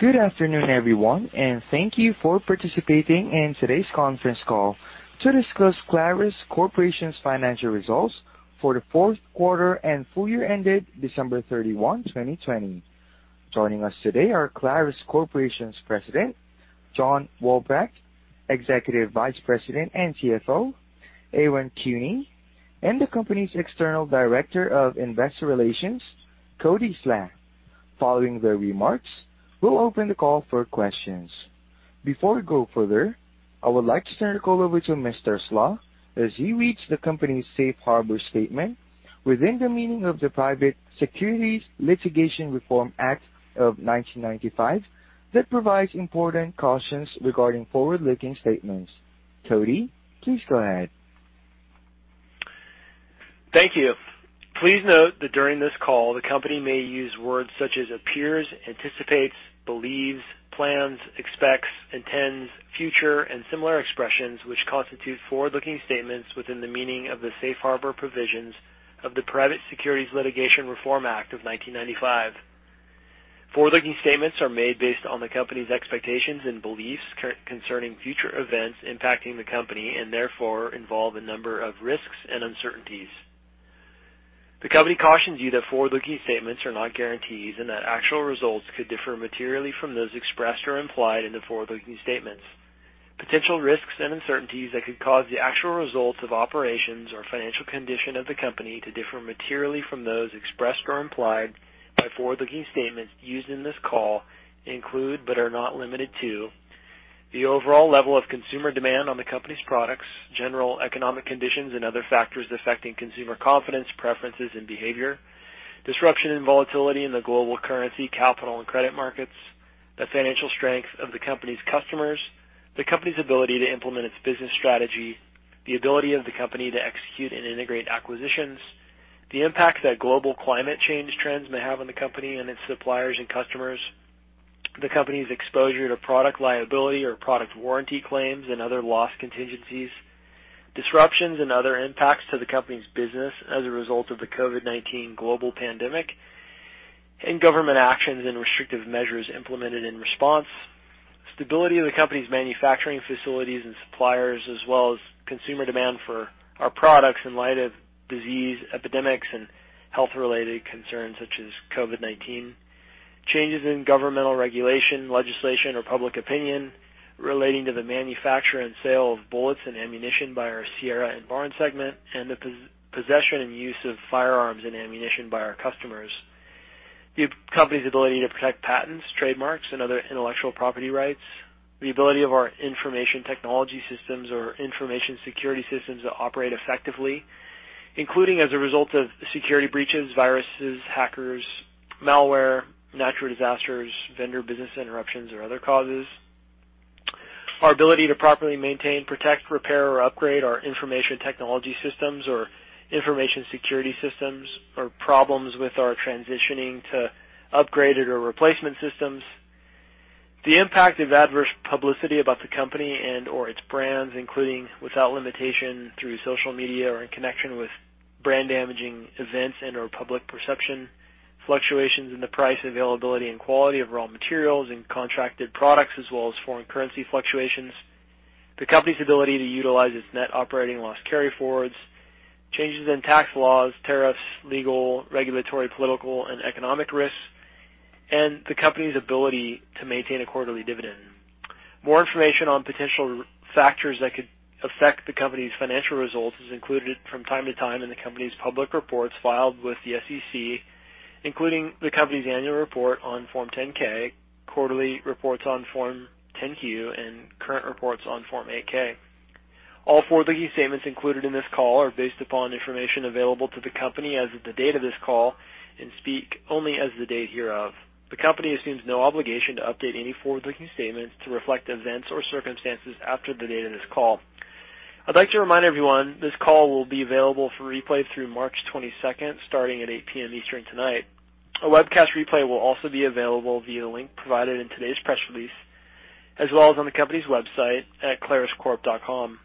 Good afternoon, everyone, and thank you for participating in today's conference call to discuss Clarus Corporation's financial results for the fourth quarter and full year ended December 31, 2020. Joining us today are Clarus Corporation's President, John Walbrecht, Executive Vice President and CFO, Aaron Kuehne, and the company's External Director of Investor Relations, Cody Slach. Following their remarks, we'll open the call for questions. Before we go further, I would like to turn the call over to Mr. Slach as he reads the company's safe harbor statement within the meaning of the Private Securities Litigation Reform Act of 1995 that provides important cautions regarding forward-looking statements. Cody, please go ahead. Thank you. Please note that during this call, the company may use words such as appears, anticipates, believes, plans, expects, intends, future, and similar expressions, which constitute forward-looking statements within the meaning of the safe harbor provisions of the Private Securities Litigation Reform Act of 1995. Forward-looking statements are made based on the company's expectations and beliefs concerning future events impacting the company and therefore involve a number of risks and uncertainties. The company cautions you that forward-looking statements are not guarantees and that actual results could differ materially from those expressed or implied in the forward-looking statements. Potential risks and uncertainties that could cause the actual results of operations or financial condition of the company to differ materially from those expressed or implied by forward-looking statements used in this call include, but are not limited to, the overall level of consumer demand on the company's products, general economic conditions, and other factors affecting consumer confidence, preferences, and behavior. Disruption and volatility in the global currency, capital, and credit markets, the financial strength of the company's customers, the company's ability to implement its business strategy, the ability of the company to execute and integrate acquisitions, the impact that global climate change trends may have on the company and its suppliers and customers, the company's exposure to product liability or product warranty claims and other loss contingencies, disruptions and other impacts to the company's business as a result of the COVID-19 global pandemic, and government actions and restrictive measures implemented in response, stability of the company's manufacturing facilities and suppliers, as well as consumer demand for our products in light of disease epidemics and health-related concerns such as COVID-19. Changes in governmental regulation, legislation, or public opinion relating to the manufacture and sale of bullets and ammunition by our Sierra and Barnes segment, and the possession and use of firearms and ammunition by our customers. The company's ability to protect patents, trademarks, and other intellectual property rights. The ability of our information technology systems or information security systems to operate effectively, including as a result of security breaches, viruses, hackers, malware, natural disasters, vendor business interruptions, or other causes. Our ability to properly maintain, protect, repair, or upgrade our information technology systems or information security systems or problems with our transitioning to upgraded or replacement systems. The impact of adverse publicity about the company and/or its brands, including without limitation through social media or in connection with brand-damaging events and/or public perception. Fluctuations in the price, availability, and quality of raw materials and contracted products, as well as foreign currency fluctuations. The company's ability to utilize its net operating loss carryforwards. Changes in tax laws, tariffs, legal, regulatory, political, and economic risks, and the company's ability to maintain a quarterly dividend. More information on potential factors that could affect the company's financial results is included from time to time in the company's public reports filed with the SEC, including the company's annual report on Form 10-K, quarterly reports on Form 10-Q, and current reports on Form 8-K. All forward-looking statements included in this call are based upon information available to the company as of the date of this call and speak only as the date hereof. The company assumes no obligation to update any forward-looking statements to reflect events or circumstances after the date of this call. I'd like to remind everyone this call will be available for replay through March 22nd starting at 8:00 P.M. Eastern tonight. A webcast replay will also be available via the link provided in today's press release, as well as on the company's website at claruscorp.com.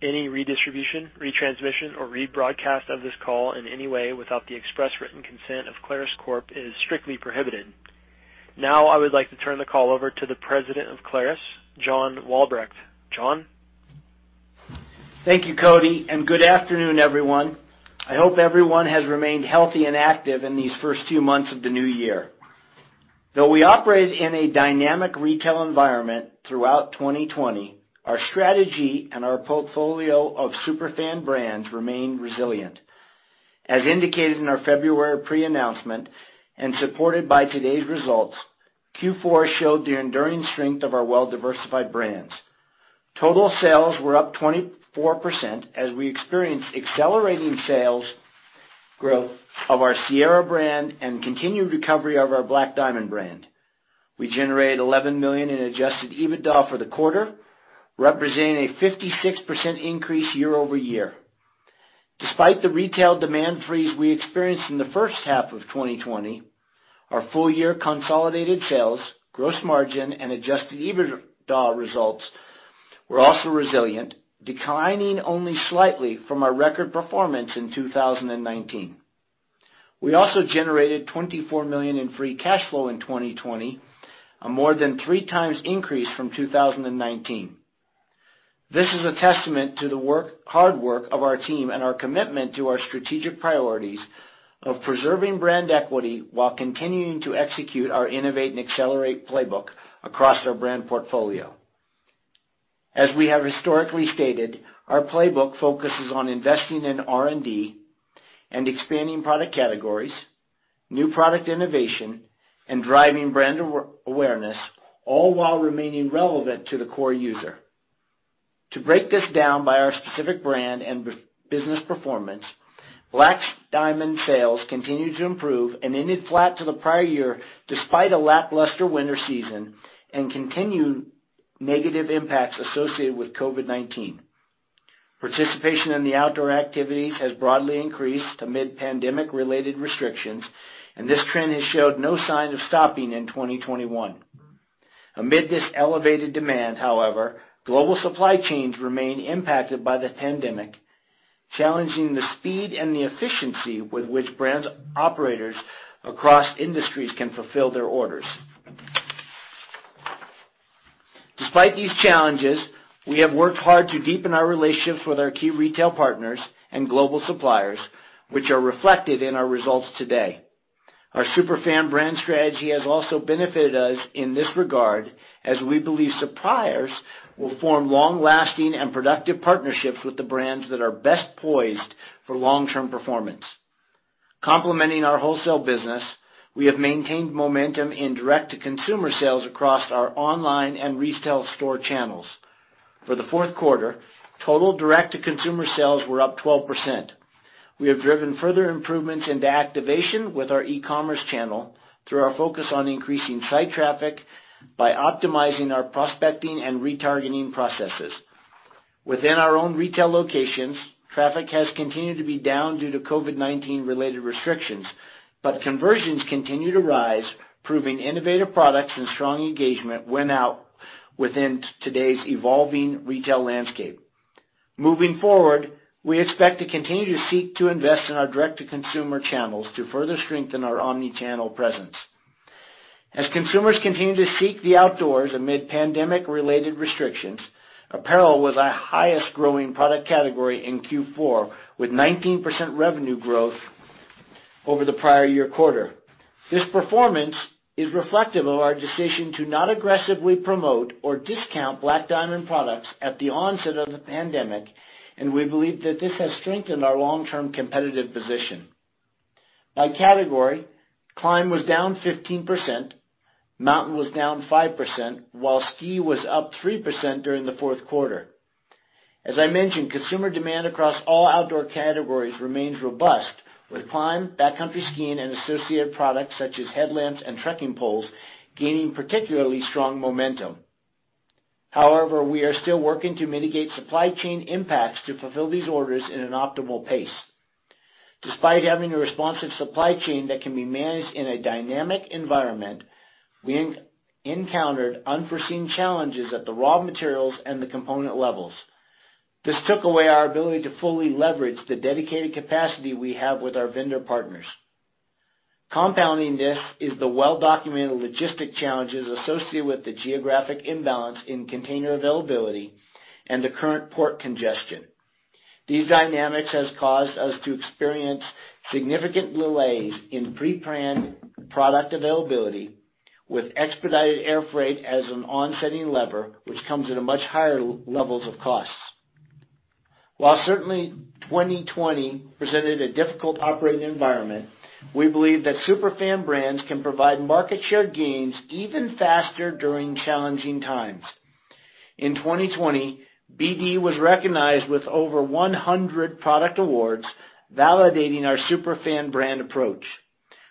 Any redistribution, retransmission, or rebroadcast of this call in any way without the express written consent of Clarus Corp. is strictly prohibited. Now I would like to turn the call over to the President of Clarus, John Walbrecht. John? Thank you, Cody, and good afternoon, everyone. I hope everyone has remained healthy and active in these first few months of the new year. Though we operate in a dynamic retail environment throughout 2020, our strategy and our portfolio of super fan brands remained resilient. As indicated in our February pre-announcement and supported by today's results, Q4 showed the enduring strength of our well-diversified brands. Total sales were up 24% as we experienced accelerating sales growth of our Sierra brand and continued recovery of our Black Diamond brand. We generated $11 million in adjusted EBITDA for the quarter, representing a 56% increase year-over-year. Despite the retail demand freeze we experienced in the first half of 2020, our full year consolidated sales, gross margin, and adjusted EBITDA results were also resilient, declining only slightly from our record performance in 2019. We also generated $24 million in free cash flow in 2020, a more than three times increase from 2019. This is a testament to the hard work of our team and our commitment to our strategic priorities of preserving brand equity while continuing to execute our innovate and accelerate playbook across our brand portfolio. As we have historically stated, our playbook focuses on investing in R&D and expanding product categories, new product innovation, and driving brand awareness, all while remaining relevant to the core user. To break this down by our specific brand and business performance, Black Diamond sales continued to improve and ended flat to the prior year despite a lackluster winter season and continued negative impacts associated with COVID-19. Participation in the outdoor activities has broadly increased amid pandemic-related restrictions, and this trend has showed no signs of stopping in 2021. Amid this elevated demand, however, global supply chains remain impacted by the pandemic, challenging the speed and the efficiency with which brands' operators across industries can fulfill their orders. Despite these challenges, we have worked hard to deepen our relationships with our key retail partners and global suppliers, which are reflected in our results today. Our super fan brand strategy has also benefited us in this regard, as we believe suppliers will form long-lasting and productive partnerships with the brands that are best poised for long-term performance. Complementing our wholesale business, we have maintained momentum in direct-to-consumer sales across our online and retail store channels. For the fourth quarter, total direct-to-consumer sales were up 12%. We have driven further improvements into activation with our e-commerce channel through our focus on increasing site traffic by optimizing our prospecting and retargeting processes. Within our own retail locations, traffic has continued to be down due to COVID-19-related restrictions, but conversions continue to rise, proving innovative products and strong engagement win out within today's evolving retail landscape. Moving forward, we expect to continue to seek to invest in our direct-to-consumer channels to further strengthen our omni-channel presence. As consumers continue to seek the outdoors amid pandemic-related restrictions, apparel was our highest growing product category in Q4, with 19% revenue growth over the prior year quarter. This performance is reflective of our decision to not aggressively promote or discount Black Diamond products at the onset of the pandemic, and we believe that this has strengthened our long-term competitive position. By category, climb was down 15%, mountain was down 5%, while ski was up 3% during the fourth quarter. As I mentioned, consumer demand across all outdoor categories remains robust, with climb, backcountry skiing, and associated products such as headlamps and trekking poles gaining particularly strong momentum. We are still working to mitigate supply chain impacts to fulfill these orders in an optimal pace. Despite having a responsive supply chain that can be managed in a dynamic environment, we encountered unforeseen challenges at the raw materials and the component levels. This took away our ability to fully leverage the dedicated capacity we have with our vendor partners. Compounding this is the well-documented logistic challenges associated with the geographic imbalance in container availability and the current port congestion. These dynamics have caused us to experience significant delays in pre-planned product availability with expedited air freight as an offsetting lever, which comes at a much higher levels of costs. While certainly 2020 presented a difficult operating environment, we believe that super fan brands can provide market share gains even faster during challenging times. In 2020, BD was recognized with over 100 product awards, validating our super fan brand approach.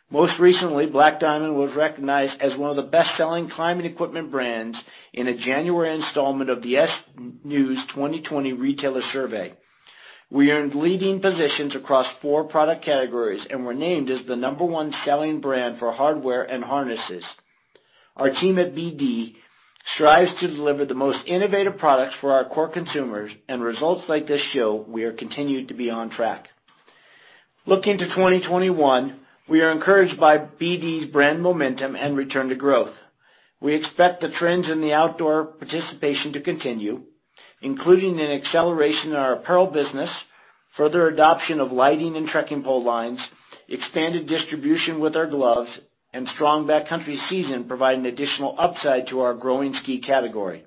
Most recently, Black Diamond was recognized as one of the best-selling climbing equipment brands in a January installment of the SNEWS 2020 retailer survey. We earned leading positions across four product categories and were named as the number one selling brand for hardware and harnesses. Our team at BD strives to deliver the most innovative products for our core consumers. Results like this show we are continued to be on track. Looking to 2021, we are encouraged by BD's brand momentum and return to growth. We expect the trends in the outdoor participation to continue, including an acceleration in our apparel business, further adoption of lighting and trekking pole lines, expanded distribution with our gloves, and strong backcountry season providing additional upside to our growing ski category.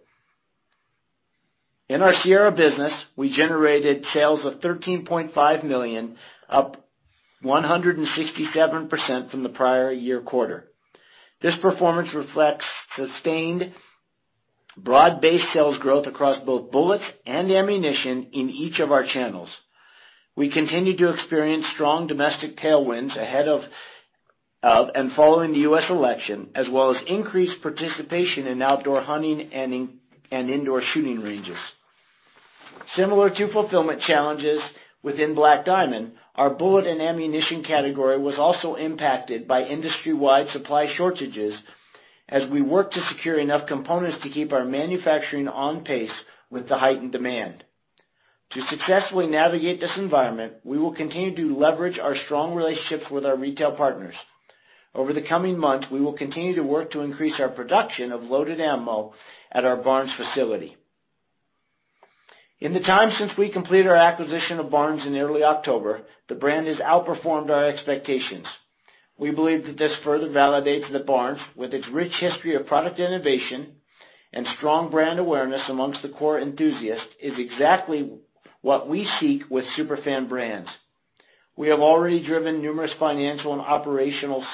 In our Sierra business, we generated sales of $13.5 million, up 167% from the prior year quarter. This performance reflects sustained broad-based sales growth across both bullets and ammunition in each of our channels. We continue to experience strong domestic tailwinds ahead of and following the U.S. election, as well as increased participation in outdoor hunting and indoor shooting ranges. Similar to fulfillment challenges within Black Diamond, our bullet and ammunition category was also impacted by industry-wide supply shortages as we work to secure enough components to keep our manufacturing on pace with the heightened demand. To successfully navigate this environment, we will continue to leverage our strong relationships with our retail partners. Over the coming months, we will continue to work to increase our production of loaded ammo at our Barnes facility. In the time since we completed our acquisition of Barnes in early October, the brand has outperformed our expectations. We believe that this further validates that Barnes, with its rich history of product innovation and strong brand awareness amongst the core enthusiasts, is exactly what we seek with super fan brands. We have already driven numerous financial and operational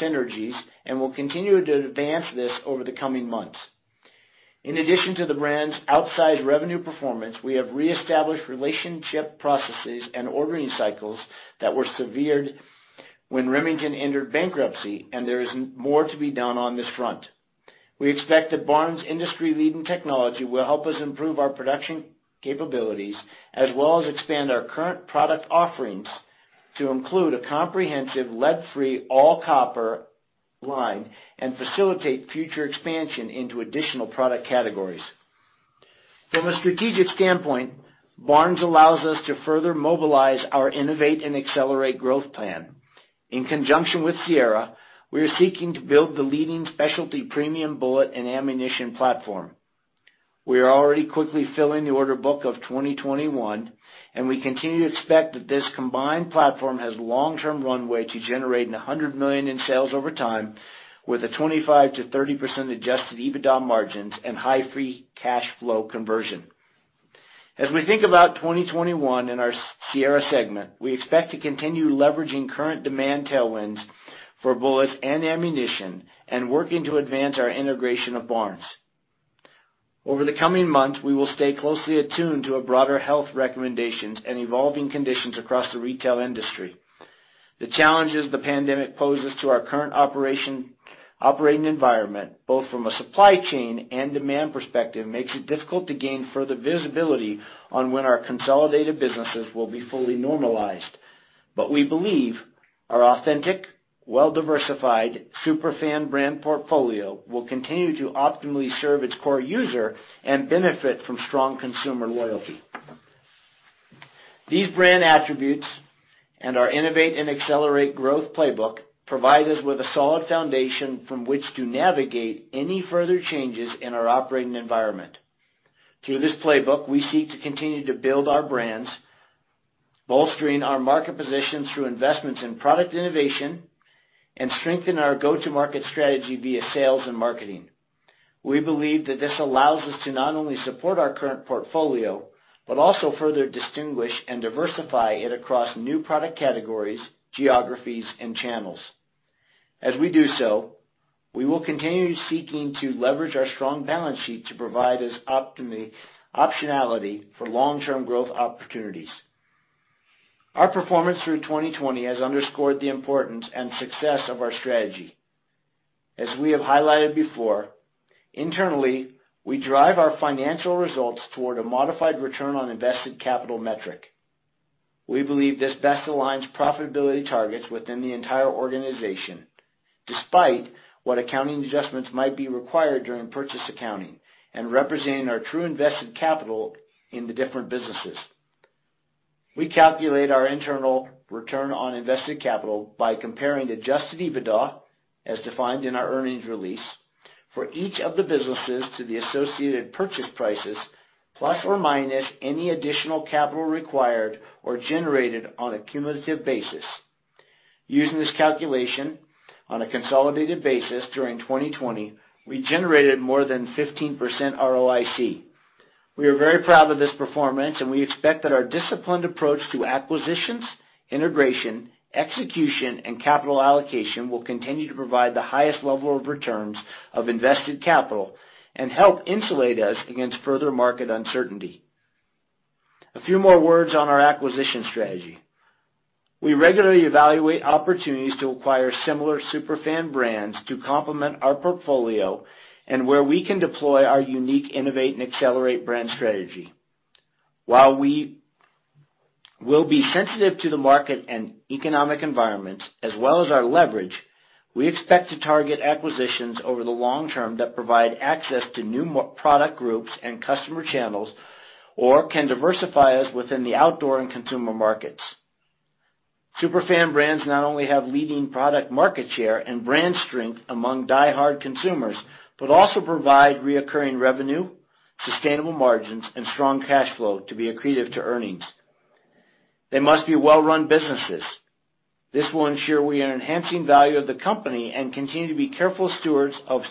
synergies and will continue to advance this over the coming months. In addition to the brand's outsized revenue performance, we have reestablished relationship processes and ordering cycles that were severed when Remington entered bankruptcy, and there is more to be done on this front. We expect that Barnes' industry-leading technology will help us improve our production capabilities, as well as expand our current product offerings to include a comprehensive lead-free all copper line and facilitate future expansion into additional product categories. From a strategic standpoint, Barnes allows us to further mobilize our innovate and accelerate growth plan. In conjunction with Sierra, we are seeking to build the leading specialty premium bullet and ammunition platform. We are already quickly filling the order book of 2021. We continue to expect that this combined platform has long-term runway to generate $100 million in sales over time, with a 25%-30% adjusted EBITDA margins and high free cash flow conversion. As we think about 2021 in our Sierra segment, we expect to continue leveraging current demand tailwinds for bullets and ammunition and working to advance our integration of Barnes. Over the coming months, we will stay closely attuned to broader health recommendations and evolving conditions across the retail industry. The challenges the pandemic poses to our current operating environment, both from a supply chain and demand perspective, makes it difficult to gain further visibility on when our consolidated businesses will be fully normalized. We believe our authentic, well-diversified super fan brand portfolio will continue to optimally serve its core user and benefit from strong consumer loyalty. These brand attributes and our innovate and accelerate growth playbook provide us with a solid foundation from which to navigate any further changes in our operating environment. Through this playbook, we seek to continue to build our brands, bolstering our market position through investments in product innovation and strengthen our go-to-market strategy via sales and marketing. We believe that this allows us to not only support our current portfolio, but also further distinguish and diversify it across new product categories, geographies, and channels. As we do so, we will continue seeking to leverage our strong balance sheet to provide us optionality for long-term growth opportunities. Our performance through 2020 has underscored the importance and success of our strategy. As we have highlighted before, internally, we drive our financial results toward a modified return on invested capital metric. We believe this best aligns profitability targets within the entire organization, despite what accounting adjustments might be required during purchase accounting and representing our true invested capital in the different businesses. We calculate our internal return on invested capital by comparing adjusted EBITDA, as defined in our earnings release, for each of the businesses to the associated purchase prices, plus or minus any additional capital required or generated on a cumulative basis. Using this calculation on a consolidated basis during 2020, we generated more than 15% ROIC. We are very proud of this performance, and we expect that our disciplined approach to acquisitions, integration, execution, and capital allocation will continue to provide the highest level of returns of invested capital and help insulate us against further market uncertainty. A few more words on our acquisition strategy. We regularly evaluate opportunities to acquire similar super fan brands to complement our portfolio and where we can deploy our unique innovate and accelerate brand strategy. While we will be sensitive to the market and economic environments as well as our leverage, we expect to target acquisitions over the long term that provide access to new product groups and customer channels or can diversify us within the outdoor and consumer markets. Super fan brands not only have leading product market share and brand strength among diehard consumers, but also provide reoccurring revenue, sustainable margins, and strong cash flow to be accretive to earnings. They must be well-run businesses. This will ensure we are enhancing value of the company and continue to be careful stewards of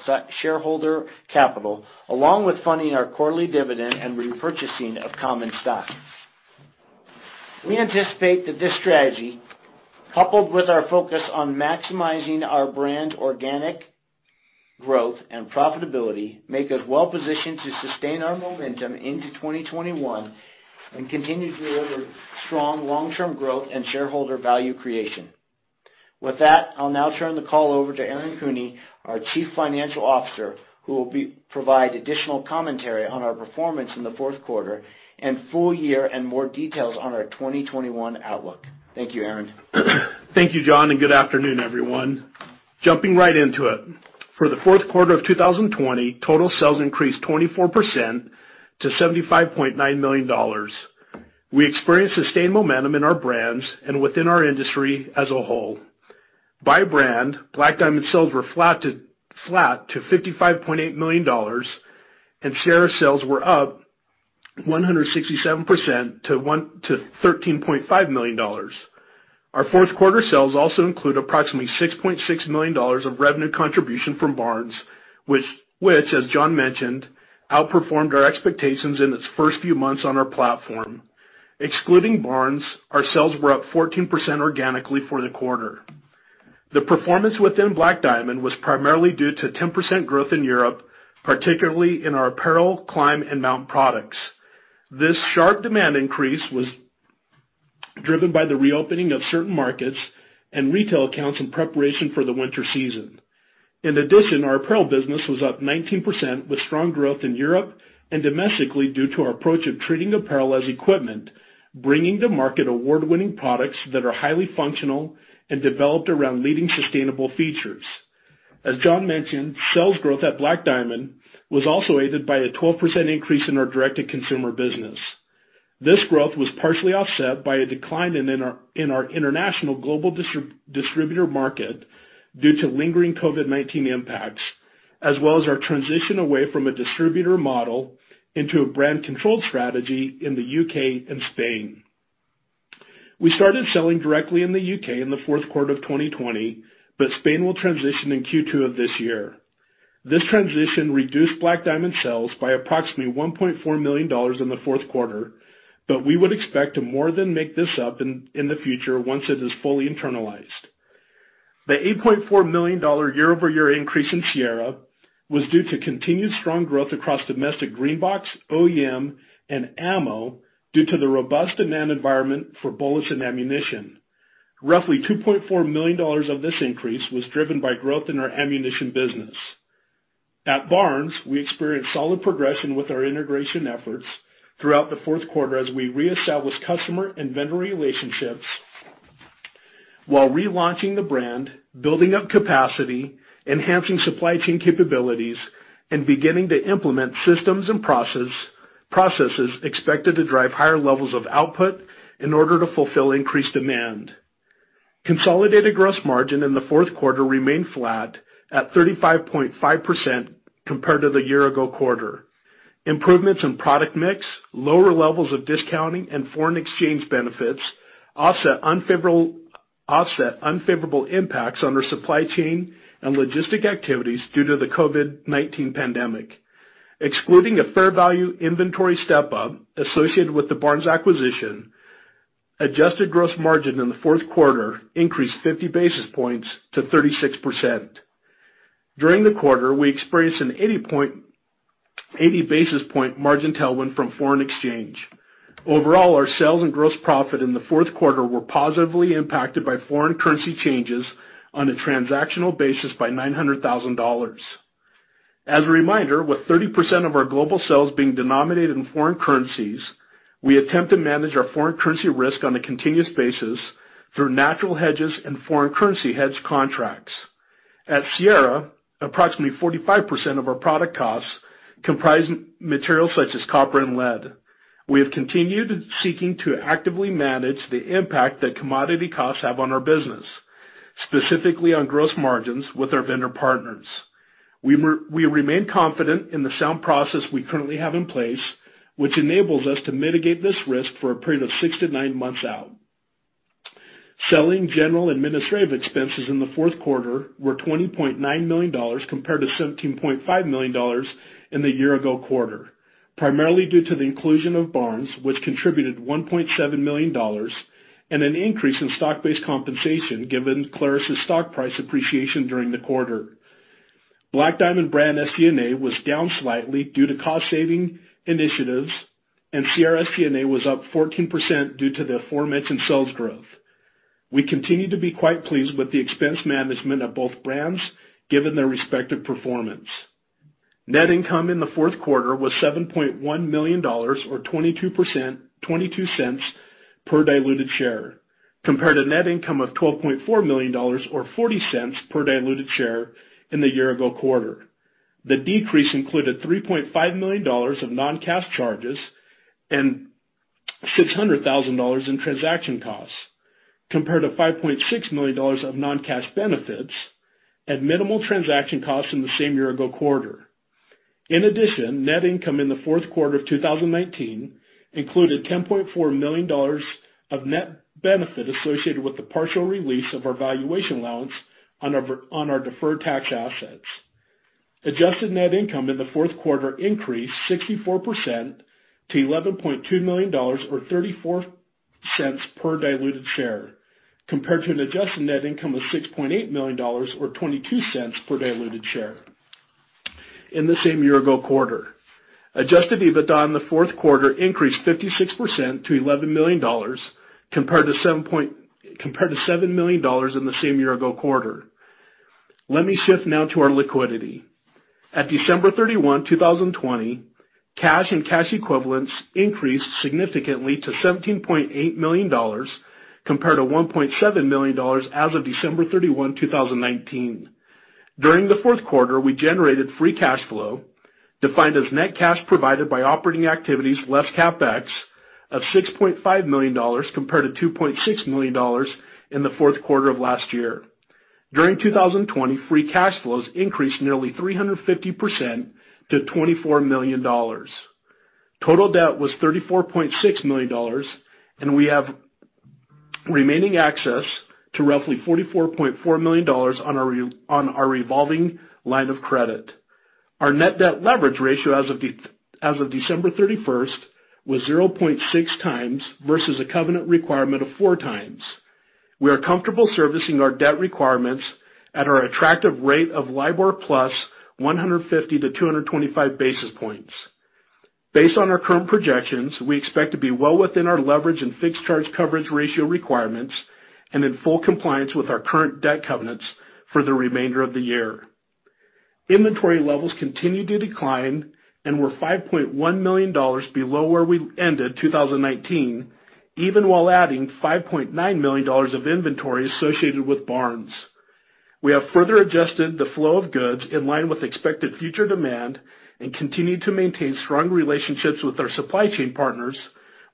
shareholder capital, along with funding our quarterly dividend and repurchasing of common stock. We anticipate that this strategy, coupled with our focus on maximizing our brand organic growth and profitability, make us well-positioned to sustain our momentum into 2021 and continue to deliver strong long-term growth and shareholder value creation. With that, I'll now turn the call over to Aaron Kuehne, our Chief Financial Officer, who will provide additional commentary on our performance in the fourth quarter and full year, and more details on our 2021 outlook. Thank you, Aaron. Thank you, John. Good afternoon, everyone. Jumping right into it. For the fourth quarter of 2020, total sales increased 24% to $75.9 million. We experienced sustained momentum in our brands and within our industry as a whole. By brand, Black Diamond sales were flat to $55.8 million, and Sierra sales were up 167% to $13.5 million. Our fourth quarter sales also include approximately $6.6 million of revenue contribution from Barnes, which, as John mentioned, outperformed our expectations in its first few months on our platform. Excluding Barnes, our sales were up 14% organically for the quarter. The performance within Black Diamond was primarily due to 10% growth in Europe, particularly in our apparel, climb, and mount products. This sharp demand increase was driven by the reopening of certain markets and retail accounts in preparation for the winter season. In addition, our apparel business was up 19%, with strong growth in Europe and domestically, due to our approach of treating apparel as equipment, bringing to market award-winning products that are highly functional and developed around leading sustainable features. As John mentioned, sales growth at Black Diamond was also aided by a 12% increase in our direct-to-consumer business. This growth was partially offset by a decline in our international global distributor market due to lingering COVID-19 impacts, as well as our transition away from a distributor model into a brand-controlled strategy in the U.K. and Spain. We started selling directly in the U.K. in the fourth quarter of 2020, but Spain will transition in Q2 of this year. This transition reduced Black Diamond sales by approximately $1.4 million in the fourth quarter, but we would expect to more than make this up in the future once it is fully internalized. The $8.4 million year-over-year increase in Sierra was due to continued strong growth across domestic Green box, OEM, and ammo due to the robust demand environment for bullets and ammunition. Roughly $2.4 million of this increase was driven by growth in our ammunition business. At Barnes, we experienced solid progression with our integration efforts throughout the fourth quarter as we reestablish customer and vendor relationships while relaunching the brand, building up capacity, enhancing supply chain capabilities, and beginning to implement systems and processes expected to drive higher levels of output in order to fulfill increased demand. Consolidated gross margin in the fourth quarter remained flat at 35.5% compared to the year-ago quarter. Improvements in product mix, lower levels of discounting, and foreign exchange benefits offset unfavorable impacts on our supply chain and logistic activities due to the COVID-19 pandemic. Excluding a fair value inventory step-up associated with the Barnes acquisition, adjusted gross margin in the fourth quarter increased 50 basis points to 36%. During the quarter, we experienced an 80 basis point margin tailwind from foreign exchange. Overall, our sales and gross profit in the fourth quarter were positively impacted by foreign currency changes on a transactional basis by $900,000. As a reminder, with 30% of our global sales being denominated in foreign currencies, we attempt to manage our foreign currency risk on a continuous basis through natural hedges and foreign currency hedge contracts. At Sierra, approximately 45% of our product costs comprise materials such as copper and lead. We have continued seeking to actively manage the impact that commodity costs have on our business, specifically on gross margins with our vendor partners. We remain confident in the sound process we currently have in place, which enables us to mitigate this risk for a period of six to nine months out. Selling, general, and administrative expenses in the fourth quarter were $20.9 million, compared to $17.5 million in the year-ago quarter, primarily due to the inclusion of Barnes, which contributed $1.7 million and an increase in stock-based compensation given Clarus' stock price appreciation during the quarter. Black Diamond brand SG&A was down slightly due to cost-saving initiatives, and Sierra SG&A was up 14% due to the aforementioned sales growth. We continue to be quite pleased with the expense management of both brands, given their respective performance. Net income in the fourth quarter was $7.1 million, or $0.22 per diluted share, compared to net income of $12.4 million or $0.40 per diluted share in the year-ago quarter. The decrease included $3.5 million of non-cash charges and $600,000 in transaction costs, compared to $5.6 million of non-cash benefits and minimal transaction costs in the same year-ago quarter. In addition, net income in the fourth quarter of 2019 included $10.4 million of net benefit associated with the partial release of our valuation allowance on our deferred tax assets. Adjusted net income in the fourth quarter increased 64% to $11.2 million, or $0.34 per diluted share, compared to an adjusted net income of $6.8 million or $0.22 per diluted share in the same year-ago quarter. Adjusted EBITDA in the fourth quarter increased 56% to $11 million, compared to $7 million in the same year-ago quarter. Let me shift now to our liquidity. At December 31, 2020, cash and cash equivalents increased significantly to $17.8 million, compared to $1.7 million as of December 31, 2019. During the fourth quarter, we generated free cash flow, defined as net cash provided by operating activities less CapEx, of $6.5 million, compared to $2.6 million in the fourth quarter of last year. During 2020, free cash flows increased nearly 350% to $24 million. Total debt was $34.6 million, and we have remaining access to roughly $44.4 million on our revolving line of credit. Our net debt leverage ratio as of December 31st was 0.6x versus a covenant requirement of four times. We are comfortable servicing our debt requirements at our attractive rate of LIBOR plus 150-225 basis points. Based on our current projections, we expect to be well within our leverage and fixed charge coverage ratio requirements and in full compliance with our current debt covenants for the remainder of the year. Inventory levels continued to decline and were $5.1 million below where we ended 2019, even while adding $5.9 million of inventory associated with Barnes. We have further adjusted the flow of goods in line with expected future demand and continue to maintain strong relationships with our supply chain partners,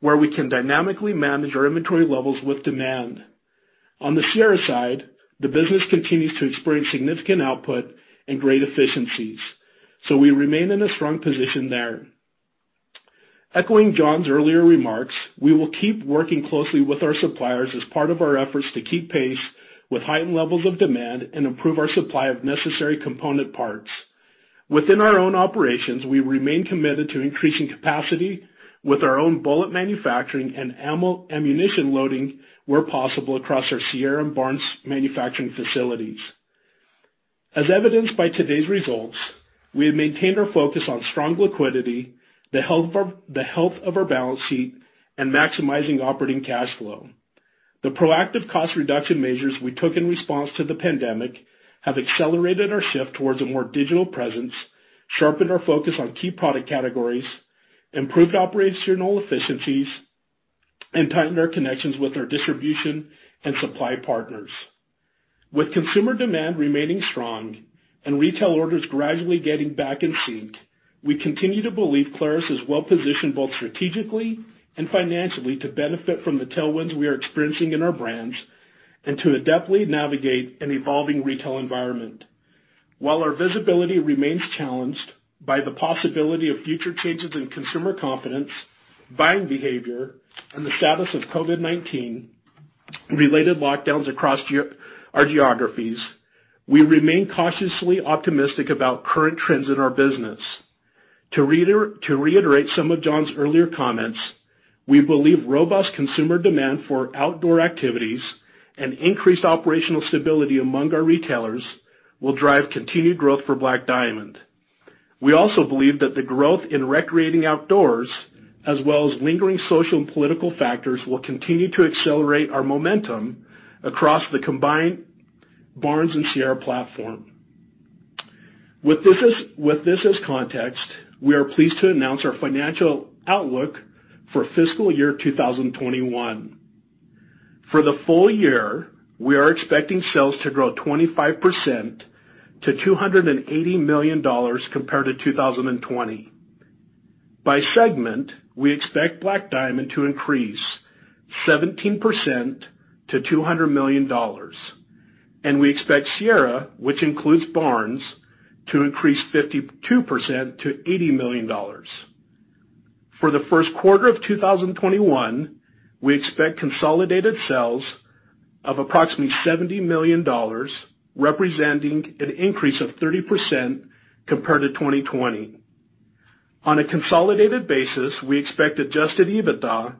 where we can dynamically manage our inventory levels with demand. On the Sierra side, the business continues to experience significant output and great efficiencies, so we remain in a strong position there. Echoing John's earlier remarks, we will keep working closely with our suppliers as part of our efforts to keep pace with heightened levels of demand and improve our supply of necessary component parts. Within our own operations, we remain committed to increasing capacity with our own bullet manufacturing and ammunition loading where possible across our Sierra and Barnes manufacturing facilities. As evidenced by today's results, we have maintained our focus on strong liquidity, the health of our balance sheet, and maximizing operating cash flow. The proactive cost reduction measures we took in response to the pandemic have accelerated our shift towards a more digital presence, sharpened our focus on key product categories, improved operational efficiencies, and tightened our connections with our distribution and supply partners. With consumer demand remaining strong and retail orders gradually getting back in sync, we continue to believe Clarus is well-positioned both strategically and financially to benefit from the tailwinds we are experiencing in our brands and to adeptly navigate an evolving retail environment. While our visibility remains challenged by the possibility of future changes in consumer confidence, buying behavior, and the status of COVID-19 related lockdowns across our geographies, we remain cautiously optimistic about current trends in our business. To reiterate some of John's earlier comments, we believe robust consumer demand for outdoor activities and increased operational stability among our retailers will drive continued growth for Black Diamond. We also believe that the growth in recreating outdoors, as well as lingering social and political factors, will continue to accelerate our momentum across the combined Barnes and Sierra platform. With this as context, we are pleased to announce our financial outlook for fiscal year 2021. For the full year, we are expecting sales to grow 25% to $280 million compared to 2020. By segment, we expect Black Diamond to increase 17% to $200 million, and we expect Sierra, which includes Barnes, to increase 52% to $80 million. For the first quarter of 2021, we expect consolidated sales of approximately $70 million, representing an increase of 30% compared to 2020. On a consolidated basis, we expect adjusted EBITDA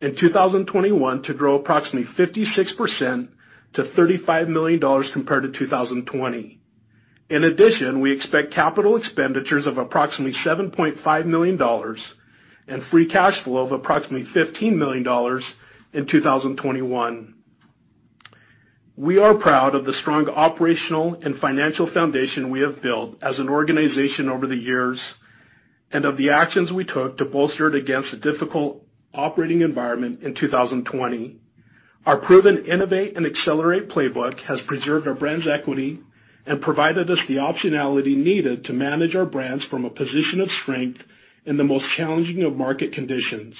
in 2021 to grow approximately 56% to $35 million compared to 2020. In addition, we expect capital expenditures of approximately $7.5 million and free cash flow of approximately $15 million in 2021. We are proud of the strong operational and financial foundation we have built as an organization over the years and of the actions we took to bolster it against a difficult operating environment in 2020. Our proven innovate and accelerate playbook has preserved our brand's equity and provided us the optionality needed to manage our brands from a position of strength in the most challenging of market conditions.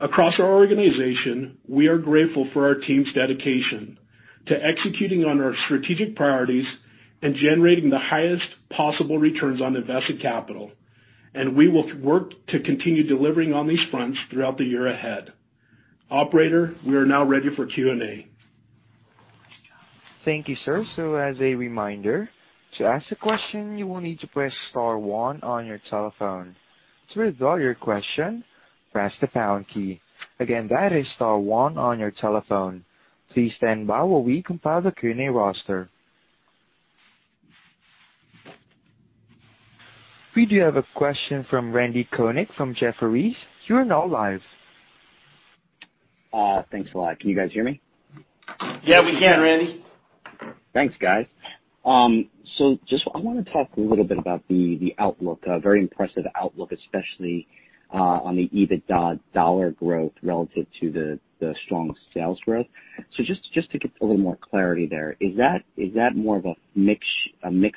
Across our organization, we are grateful for our team's dedication to executing on our strategic priorities and generating the highest possible returns on invested capital. We will work to continue delivering on these fronts throughout the year ahead. Operator, we are now ready for Q&A. Thank you, sir. As a reminder, to ask a question, you will need to press star one on your telephone. To withdraw your question, press the pound key. Again, that is star one on your telephone. Please stand by while we compile the Q&A roster. We do have a question from Randy Konik from Jefferies. You are now live. Thanks a lot. Can you guys hear me? Yeah, we can, Randy. Thanks, guys. I want to talk a little bit about the outlook, a very impressive outlook, especially, on the EBITDA dollar growth relative to the strong sales growth. Just to get a little more clarity there, is that more of a mix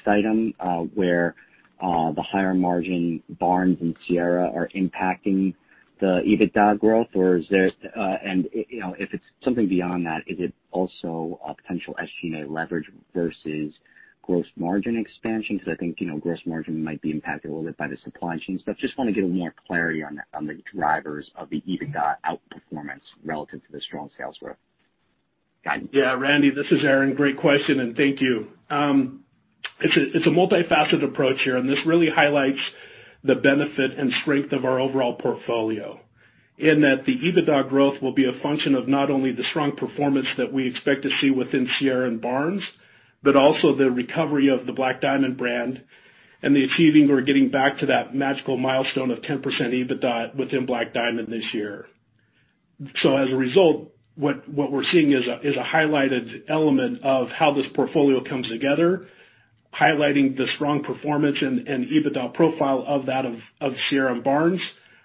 item, where, the higher margin Barnes and Sierra are impacting the EBITDA growth? If it's something beyond that, is it also a potential SG&A leverage versus gross margin expansion? I think gross margin might be impacted a little bit by the supply chain stuff. Just want to get more clarity on the drivers of the EBITDA outperformance relative to the strong sales growth. Got it. Randy, this is Aaron. Great question. Thank you. It's a multifaceted approach here. This really highlights the benefit and strength of our overall portfolio in that the EBITDA growth will be a function of not only the strong performance that we expect to see within Sierra and Barnes, but also the recovery of the Black Diamond brand and the achieving or getting back to that magical milestone of 10% EBITDA within Black Diamond this year. As a result, what we're seeing is a highlighted element of how this portfolio comes together, highlighting the strong performance and EBITDA profile of that of Sierra and Barnes,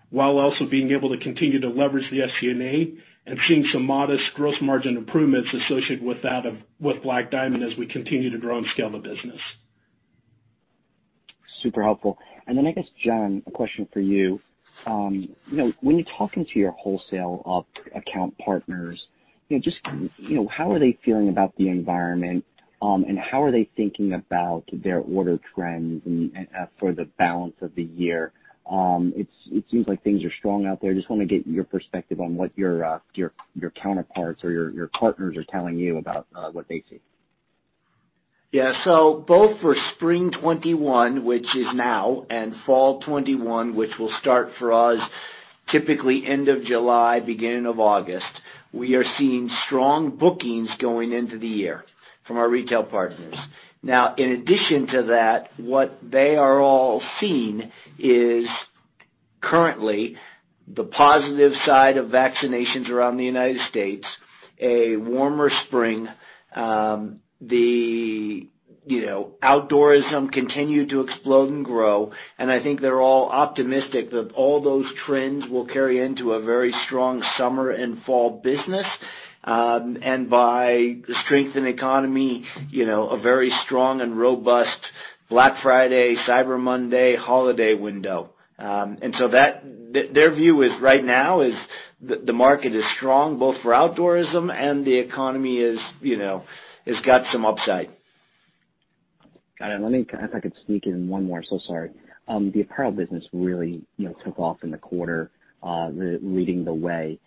while also being able to continue to leverage the SG&A and seeing some modest gross margin improvements associated with that of with Black Diamond as we continue to grow and scale the business. Super helpful. I guess, John, a question for you. When you're talking to your wholesale account partners, just how are they feeling about the environment, and how are they thinking about their order trends and for the balance of the year? It seems like things are strong out there. Just want to get your perspective on what your counterparts or your partners are telling you about what they see. Yeah. Both for spring 2021, which is now, and fall 2021, which will start for us typically end of July, beginning of August, we are seeing strong bookings going into the year from our retail partners. Now, in addition to that, what they are all seeing is currently the positive side of vaccinations around the U.S., a warmer spring, the outdoorism continue to explode and grow, and I think they're all optimistic that all those trends will carry into a very strong summer and fall business, and by the strength in economy, a very strong and robust Black Friday, Cyber Monday holiday window. Their view right now is the market is strong both for outdoorism and the economy has got some upside. Got it. Let me, if I could sneak in one more. Sorry. The apparel business really took off in the quarter, leading the way.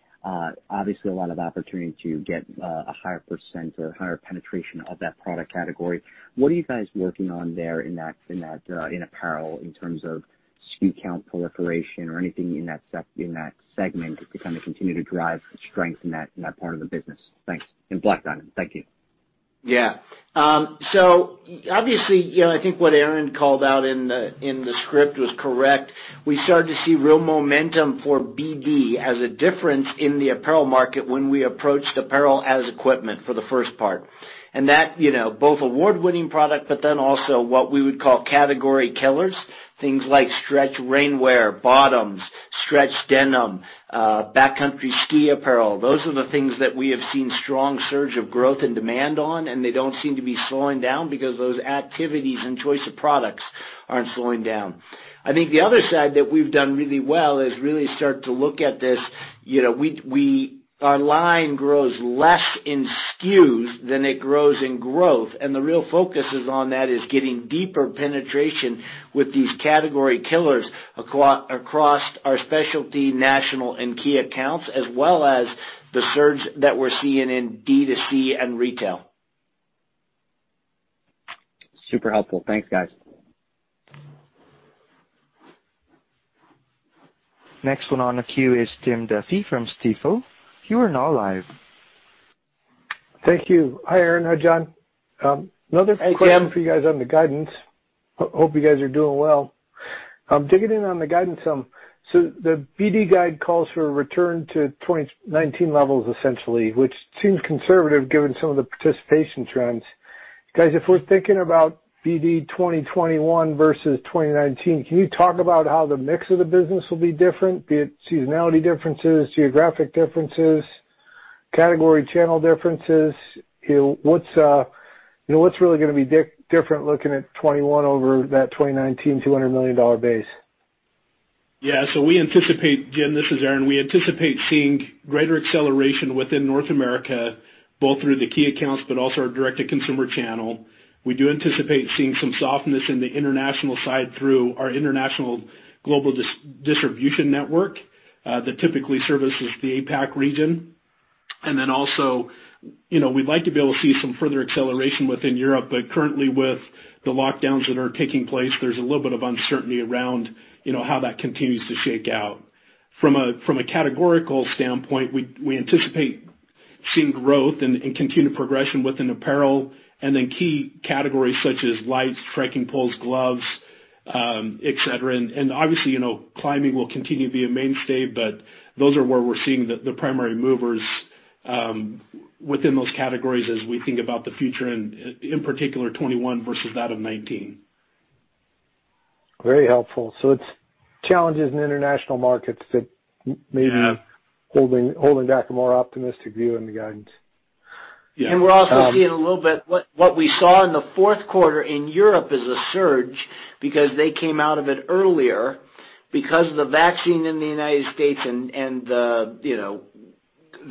Obviously a lot of opportunity to get a higher % or higher penetration of that product category. What are you guys working on there in apparel in terms of SKU count proliferation or anything in that segment to kind of continue to drive strength in that part of the business? Thanks. In Black Diamond. Thank you. Yeah. Obviously, I think what Aaron called out in the script was correct. We started to see real momentum for BD as a difference in the apparel market when we approached apparel as equipment for the first part. Both award-winning product, but then also what we would call category killers, things like stretch rainwear, bottoms, stretch denim, backcountry ski apparel. Those are the things that we have seen strong surge of growth and demand on, and they don't seem to be slowing down because those activities and choice of products aren't slowing down. I think the other side that we've done really well is really start to look at this, you know, our line grows less in SKUs than it grows in growth, the real focus is on that is getting deeper penetration with these category killers across our specialty national and key accounts, as well as the surge that we're seeing in DTC and retail. Super helpful. Thanks, guys. Next one on the queue is Jim Duffy from Stifel. You are now live. Thank you. Hi, Aaron. Hi, John. Hey, Jim. Another question for you guys on the guidance. Hope you guys are doing well. Digging in on the guidance some, the BD guide calls for a return to 2019 levels essentially, which seems conservative given some of the participation trends. Guys, if we're thinking about BD 2021 versus 2019, can you talk about how the mix of the business will be different, be it seasonality differences, geographic differences, category channel differences? What's really going to be different looking at 2021 over that 2019 $200 million base? We anticipate, Jim, this is Aaron. We anticipate seeing greater acceleration within North America, both through the key accounts but also our direct-to-consumer channel. We do anticipate seeing some softness in the international side through our international global distribution network, that typically services the APAC region. We'd like to be able to see some further acceleration within Europe, but currently with the lockdowns that are taking place, there's a little bit of uncertainty around how that continues to shake out. From a categorical standpoint, we anticipate seeing growth and continued progression within apparel and then key categories such as lights, trekking poles, gloves, et cetera. Climbing will continue to be a mainstay, but those are where we're seeing the primary movers within those categories as we think about the future, in particular 2021 versus that of 2019. Very helpful. It's challenges in international markets- Yeah. ...holding back a more optimistic view in the guidance. Yeah. We're also seeing a little bit what we saw in the fourth quarter in Europe is a surge because they came out of it earlier because of the vaccine in the United States and the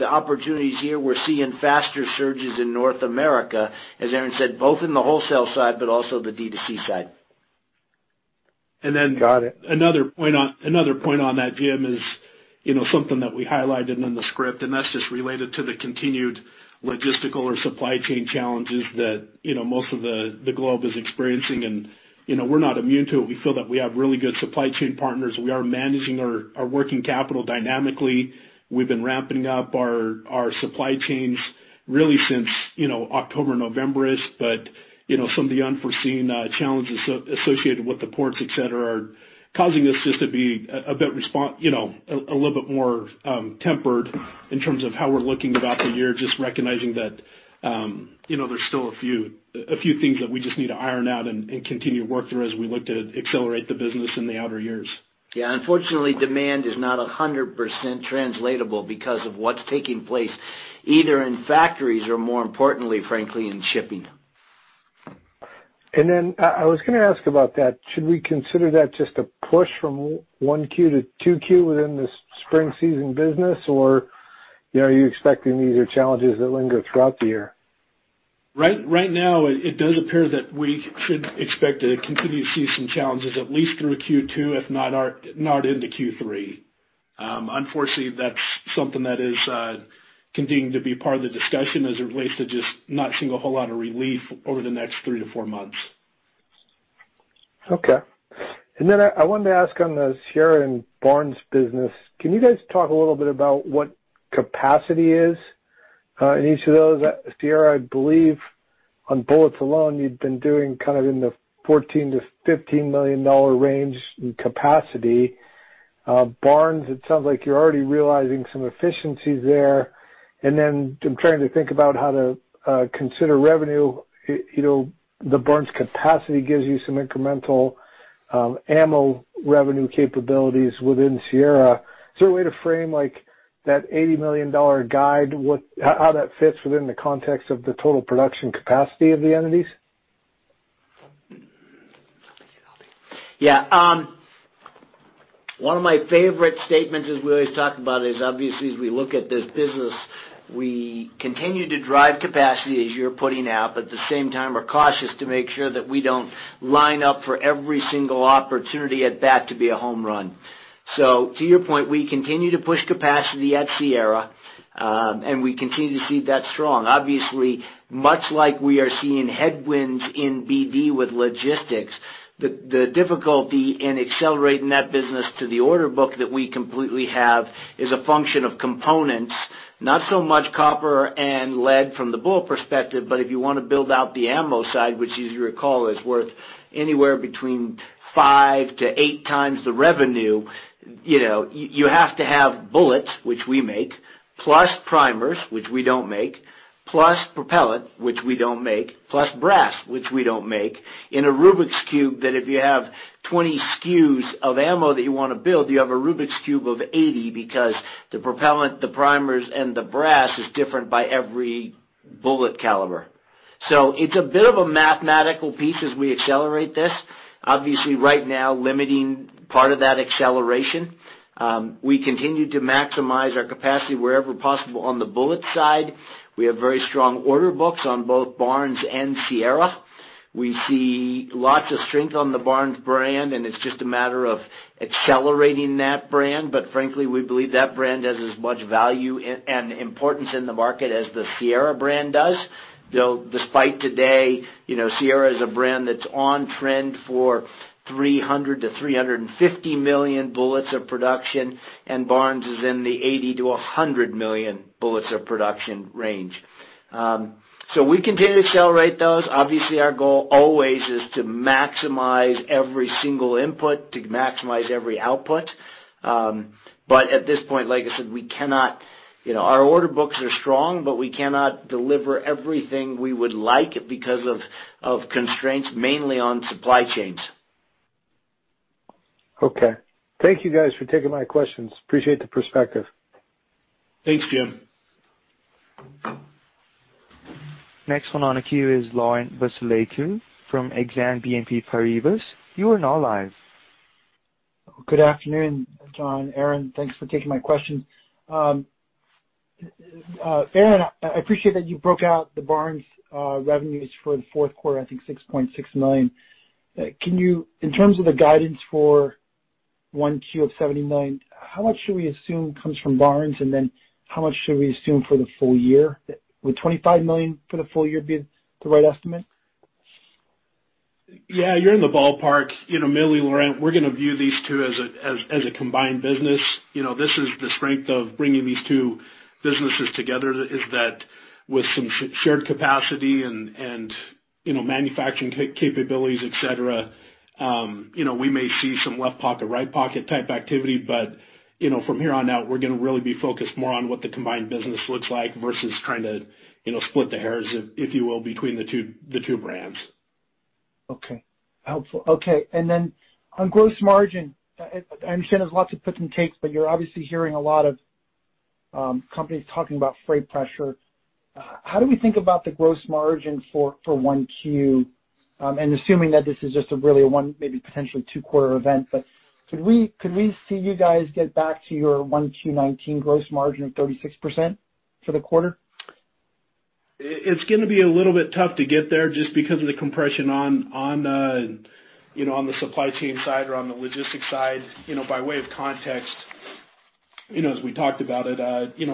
opportunities here, we're seeing faster surges in North America, as Aaron said, both in the wholesale side but also the D2C side. Got it. Another point on that, Jim, is something that we highlighted in the script, and that's just related to the continued logistical or supply chain challenges that most of the globe is experiencing. We're not immune to it. We feel that we have really good supply chain partners. We are managing our working capital dynamically. We've been ramping up our supply chains really since October, November-ish, but some of the unforeseen challenges associated with the ports, et cetera, are causing us just to be a little bit more tempered in terms of how we're looking about the year, just recognizing that there's still a few things that we just need to iron out and continue to work through as we look to accelerate the business in the outer years. Yeah, unfortunately, demand is not 100% translatable because of what's taking place, either in factories or, more importantly, frankly, in shipping. I was going to ask about that. Should we consider that just a push from 1Q to 2Q within the spring season business, or are you expecting these are challenges that linger throughout the year? Right now, it does appear that we should expect to continue to see some challenges at least through Q2, if not into Q3. Unfortunately, that's something that is continuing to be part of the discussion as it relates to just not seeing a whole lot of relief over the next three to four months. Okay. Then I wanted to ask on the Sierra and Barnes business, can you guys talk a little bit about what capacity is in each of those? Sierra, I believe on bullets alone, you'd been doing kind of in the $14 million-$15 million range in capacity. Barnes, it sounds like you're already realizing some efficiencies there. Then I'm trying to think about how to consider revenue. The Barnes capacity gives you some incremental ammo revenue capabilities within Sierra. Is there a way to frame that $80 million guide, how that fits within the context of the total production capacity of the entities? Yeah. One of my favorite statements is we always talk about is obviously, as we look at this business, we continue to drive capacity, as you're putting out, but at the same time, we're cautious to make sure that we don't line up for every single opportunity at bat to be a home run. To your point, we continue to push capacity at Sierra, and we continue to see that strong. Obviously, much like we are seeing headwinds in BD with logistics, the difficulty in accelerating that business to the order book that we completely have is a function of components, not so much copper and lead from the bullet perspective, but if you want to build out the ammo side, which as you recall, is worth anywhere between five to eight times the revenue, you have to have bullets, which we make, plus primers, which we don't make, plus propellant, which we don't make, plus brass, which we don't make, in a Rubik's cube that if you have 20 SKUs of ammo that you want to build, you have a Rubik's cube of 80 because the propellant, the primers, and the brass is different by every bullet caliber. It's a bit of a mathematical piece as we accelerate this, obviously right now limiting part of that acceleration. We continue to maximize our capacity wherever possible on the bullet side. We have very strong order books on both Barnes and Sierra. We see lots of strength on the Barnes brand. It's just a matter of accelerating that brand. Frankly, we believe that brand has as much value and importance in the market as the Sierra brand does. Despite today, Sierra is a brand that's on trend for 300 million-350 million bullets of production. Barnes is in the 80 million-100 million bullets of production range. We continue to accelerate those. Obviously, our goal always is to maximize every single input, to maximize every output. At this point, like I said, our order books are strong, but we cannot deliver everything we would like because of constraints, mainly on supply chains. Okay. Thank you guys for taking my questions. Appreciate the perspective. Thanks, Jim. Next one on the queue is Laurent Vasilescu from Exane BNP Paribas. You are now live. Good afternoon, John, Aaron. Thanks for taking my questions. Aaron, I appreciate that you broke out the Barnes revenues for the fourth quarter, I think $6.6 million. In terms of the guidance for 1Q of $79 million, how much should we assume comes from Barnes, and then how much should we assume for the full year? Would $25 million for the full year be the right estimate? Yeah, you're in the ballpark. You know, Millie, Laurent, we're going to view these two as a combined business. This is the strength of bringing these two businesses together, is that with some shared capacity and manufacturing capabilities, et cetera, we may see some left pocket, right pocket type activity. From here on out, we're going to really be focused more on what the combined business looks like versus trying to split the hairs, if you will, between the two brands. Okay. Helpful. Okay. On gross margin, I understand there's lots of puts and takes, but you're obviously hearing a lot of companies talking about freight pressure. How do we think about the gross margin for 1Q? Assuming that this is just a really one, maybe potentially two quarter event, but could we see you guys get back to your 1Q 2019 gross margin of 36% for the quarter? It's going to be a little bit tough to get there just because of the compression on the supply chain side or on the logistics side. By way of context, as we talked about it,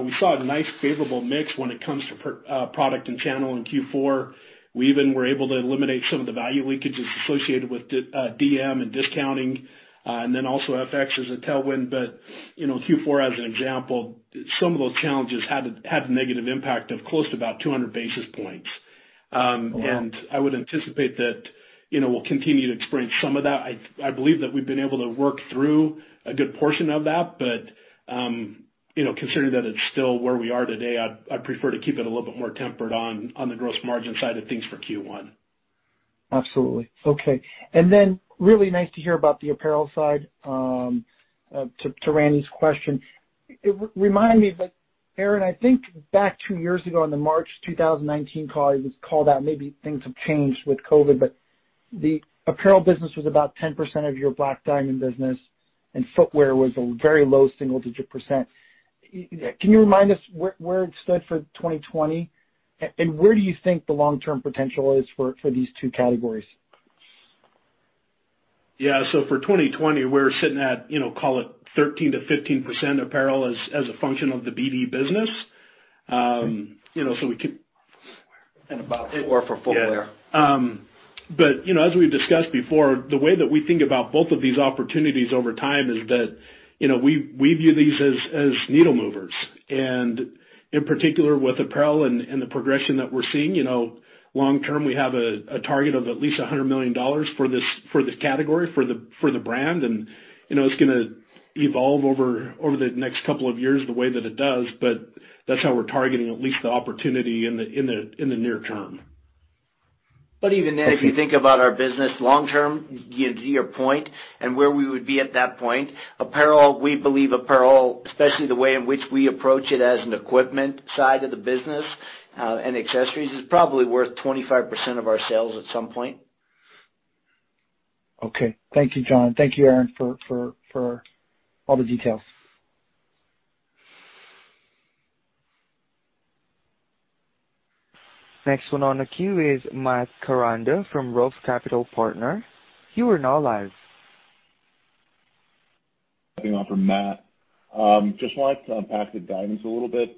we saw a nice favorable mix when it comes to product and channel in Q4. We even were able to eliminate some of the value leakages associated with DM and discounting, and then also FX as a tailwind. You know, Q4, as an example, some of those challenges had a negative impact of close to about 200 basis points. Wow. I would anticipate that we'll continue to experience some of that. I believe that we've been able to work through a good portion of that, but considering that it's still where we are today, I'd prefer to keep it a little bit more tempered on the gross margin side of things for Q1. Absolutely. Okay. Then really nice to hear about the apparel side, to Randy's question. Remind me, but Aaron, I think back two years ago in the March 2019 call, it was called out. Maybe things have changed with COVID-19, but the apparel business was about 10% of your Black Diamond business, and footwear was a very low 1-digit percent. Can you remind us where it stood for 2020, and where do you think the long-term potential is for these two categories? Yeah. For 2020, we're sitting at, call it 13%-15% apparel as a function of the BD business. We could- About eight for footwear. Yeah. As we've discussed before, the way that we think about both of these opportunities over time is that we view these as needle movers, and in particular with apparel and the progression that we're seeing. Long term, we have a target of at least $100 million for this category, for the brand, and it's going to evolve over the next couple of years the way that it does. That's how we're targeting at least the opportunity in the near term. Even then, if you think about our business long term, to your point and where we would be at that point, we believe apparel, especially the way in which we approach it as an equipment side of the business, and accessories, is probably worth 25% of our sales at some point. Okay. Thank you, John. Thank you, Aaron, for all the details. Next one on the queue is Matt Koranda from ROTH Capital Partners. You are now live. From Matt. Wanted to unpack the guidance a little bit.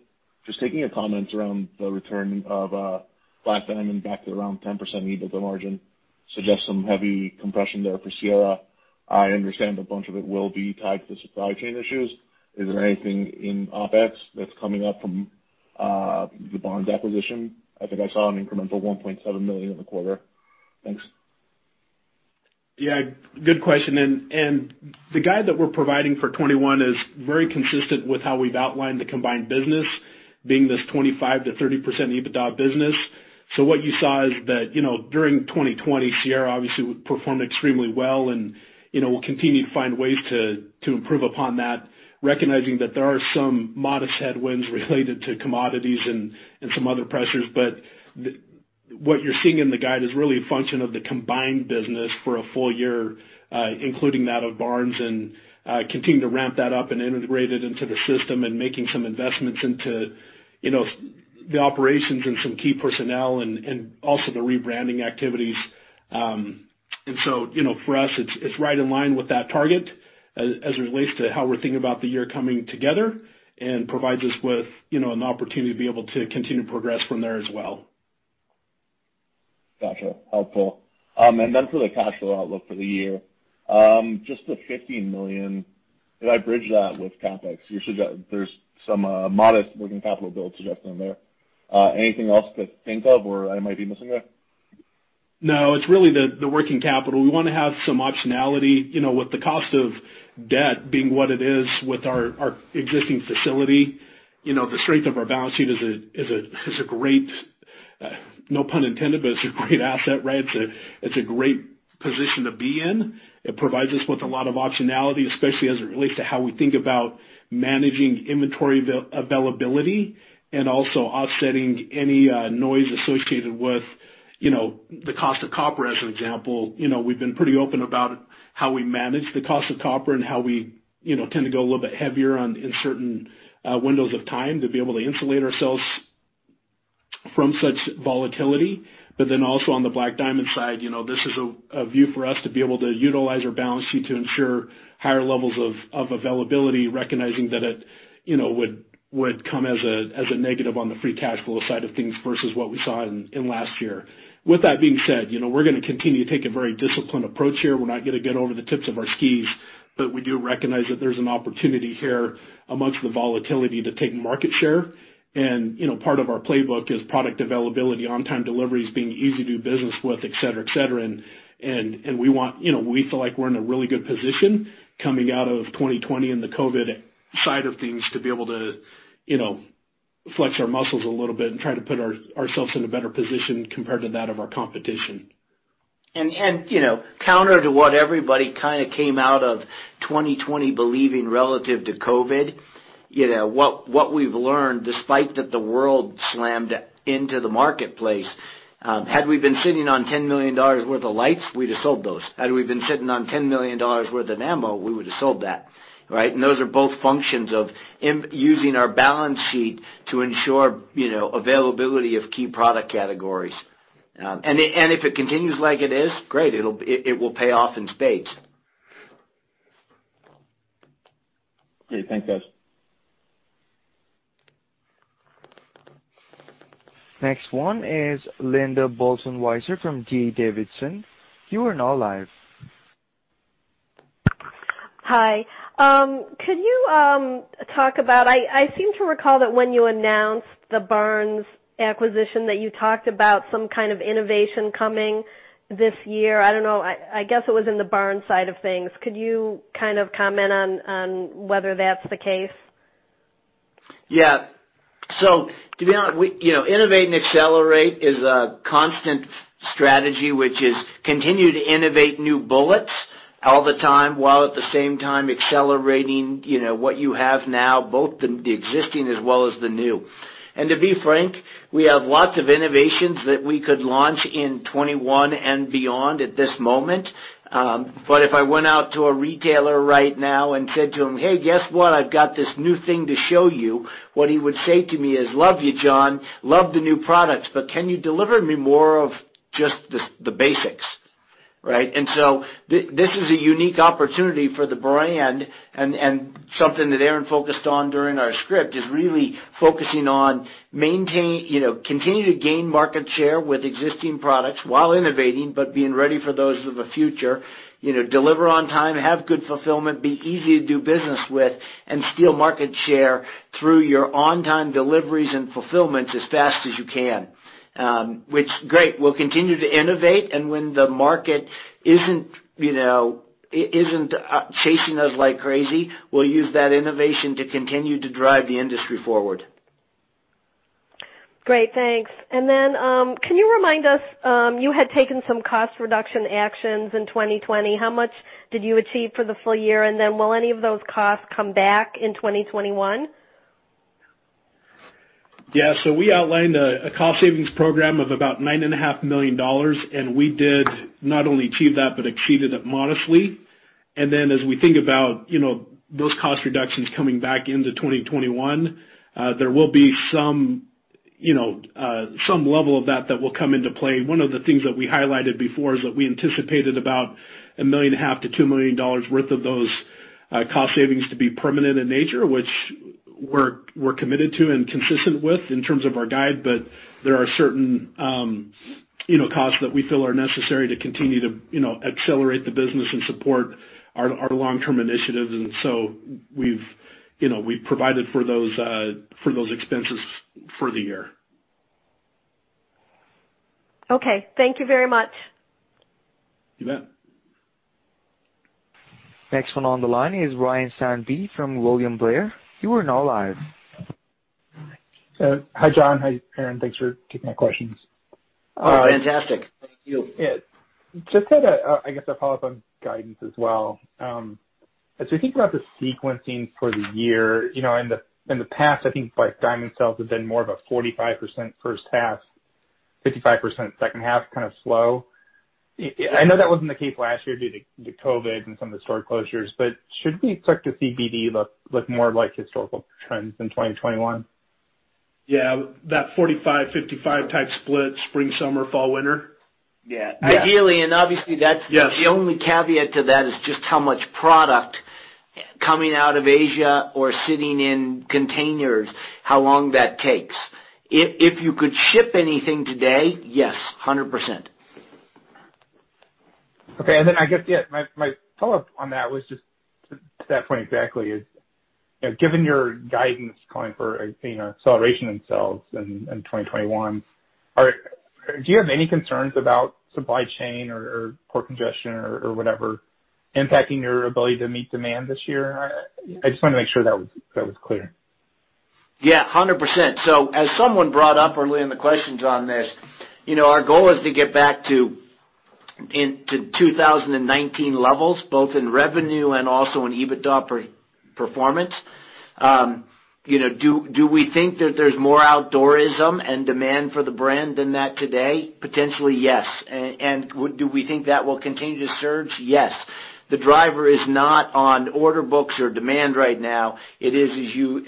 Taking your comments around the return of Black Diamond back to around 10% EBITDA margin suggests some heavy compression there for Sierra. I understand a bunch of it will be tied to supply chain issues. Is there anything in OpEx that's coming up from the Barnes acquisition? I think I saw an incremental $1.7 million in the quarter. Thanks. Yeah, good question. The guide that we're providing for 2021 is very consistent with how we've outlined the combined business being this 25%-30% EBITDA business. What you saw is that during 2020, Sierra obviously performed extremely well, and we will continue to find ways to improve upon that, recognizing that there are some modest headwinds related to commodities and some other pressures. What you're seeing in the guide is really a function of the combined business for a full year, including that of Barnes and continuing to ramp that up and integrate it into the system and making some investments into the operations and some key personnel and also the rebranding activities. For us, it's right in line with that target as it relates to how we're thinking about the year coming together and provides us with an opportunity to be able to continue progress from there as well. Gotcha. Helpful. Then for the cash flow outlook for the year, just the $15 million, did I bridge that with CapEx? You said that there's some modest working capital build suggested in there. Anything else to think of or I might be missing there? It's really the working capital. We want to have some optionality. With the cost of debt being what it is with our existing facility, the strength of our balance sheet is a great, no pun intended, but it's a great asset. It's a great position to be in. It provides us with a lot of optionality, especially as it relates to how we think about managing inventory availability and also offsetting any noise associated with the cost of copper, as an example. We've been pretty open about how we manage the cost of copper and how we tend to go a little bit heavier in certain windows of time to be able to insulate ourselves from such volatility. Also on the Black Diamond side, this is a view for us to be able to utilize our balance sheet to ensure higher levels of availability, recognizing that it would come as a negative on the free cash flow side of things versus what we saw in last year. With that being said, we're going to continue to take a very disciplined approach here. We're not going to get over the tips of our skis, we do recognize that there's an opportunity here amongst the volatility to take market share. Part of our playbook is product availability, on-time deliveries, being easy to do business with, et cetera. We feel like we're in a really good position coming out of 2020 and the COVID-19 side of things to be able to flex our muscles a little bit and try to put ourselves in a better position compared to that of our competition. Counter to what everybody kind of came out of 2020 believing relative to COVID, what we've learned, despite that the world slammed into the marketplace, had we been sitting on $10 million worth of lights, we'd have sold those. Had we been sitting on $10 million worth of ammo, we would've sold that, right. Those are both functions of using our balance sheet to ensure availability of key product categories. If it continues like it is, great. It will pay off in spades. Yeah. Thanks, guys. Next one is Linda Bolton Weiser from D. A. Davidson. You are now live. Hi. I seem to recall that when you announced the Barnes acquisition, that you talked about some kind of innovation coming this year. I don't know, I guess it was in the Barnes side of things. Could you kind of comment on whether that's the case? Yeah. To be honest, innovate and accelerate is a constant strategy, which is continue to innovate new bullets all the time, while at the same time accelerating what you have now, both the existing as well as the new. To be frank, we have lots of innovations that we could launch in 2021 and beyond at this moment. If I went out to a retailer right now and said to him, "Hey, guess what? I've got this new thing to show you," what he would say to me is, "Love you, John, love the new products, but can you deliver me more of just the basics," right? This is a unique opportunity for the brand and something that Aaron focused on during our script, is really focusing on continue to gain market share with existing products while innovating but being ready for those of the future. Deliver on time, have good fulfillment, be easy to do business with, and steal market share through your on-time deliveries and fulfillments as fast as you can. Great, we'll continue to innovate, and when the market isn't chasing us like crazy, we'll use that innovation to continue to drive the industry forward. Great. Thanks. Can you remind us, you had taken some cost reduction actions in 2020. How much did you achieve for the full year, will any of those costs come back in 2021? Yeah. We outlined a cost savings program of about $9.5 million, we did not only achieve that, but exceeded it modestly. As we think about those cost reductions coming back into 2021, there will be some level of that that will come into play. One of the things that we highlighted before is that we anticipated about a $1.5 million-$2 million worth of those cost savings to be permanent in nature, which we're committed to and consistent with in terms of our guide. There are certain costs that we feel are necessary to continue to accelerate the business and support our long-term initiatives, and so we've provided for those expenses for the year. Okay. Thank you very much. You bet. Next one on the line is Ryan Sundby from William Blair. You are now live. Hi, John. Hi, Aaron. Thanks for taking my questions. Fantastic. Thank you. Yeah. Just had a, I guess, a follow-up on guidance as well. As we think about the sequencing for the year, in the past, I think Black Diamond sales have been more of a 45% first half, 55% second half, kind of slow. I know that wasn't the case last year due to COVID and some of the store closures, should we expect to see BD look more like historical trends in 2021? Yeah. That 45/55 type split, spring, summer, fall, winter. Yeah. Ideally, and obviously. Yes. The only caveat to that is just how much product coming out of Asia or sitting in containers, how long that takes. If you could ship anything today, yes, 100%. Okay. I guess, yeah, my follow-up on that was just to that point exactly is, given your guidance calling for acceleration in sales in 2021, do you have any concerns about supply chain or port congestion or whatever impacting your ability to meet demand this year? I just wanted to make sure that was clear. Yeah, 100%. As someone brought up earlier in the questions on this, our goal is to get back to 2019 levels, both in revenue and also in EBITDA performance. Do we think that there's more outdoorism and demand for the brand than that today? Potentially, yes. Do we think that will continue to surge? Yes. The driver is not on order books or demand right now. It is,